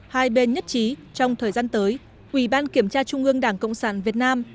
hai bên nhất trí trong thời gian tới ủy ban kiểm tra trung ương đảng cộng sản việt nam